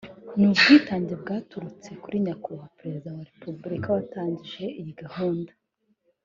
ni ubwitange bwaturutse kuri Nyakubahwa Perezida wa Republika watangije iyi gahunda